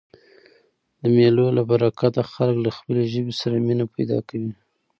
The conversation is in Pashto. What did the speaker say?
د مېلو له برکته خلک له خپلي ژبي سره مینه پیدا کوي.